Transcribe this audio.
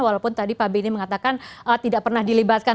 walaupun tadi pak bini mengatakan tidak pernah dilebatkan